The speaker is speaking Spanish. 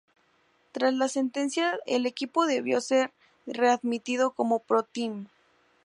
Tras la sentencia el equipo debió ser readmitido como ProTeam.